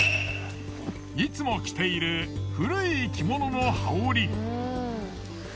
いつも着ている古い着物の羽織。